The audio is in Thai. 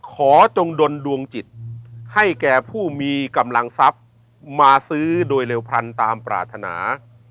จงดนดวงจิตให้แก่ผู้มีกำลังทรัพย์มาซื้อโดยเร็วพรรณตามปรารถนา